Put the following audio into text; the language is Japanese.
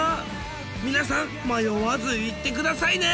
皆さん迷わず行ってくださいね！